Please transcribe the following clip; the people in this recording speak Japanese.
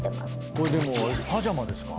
これでもパジャマですか？